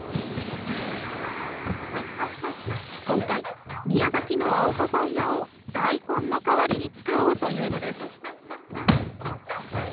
今回、宮崎の青パパイアを大根の代わりに使おうというのです。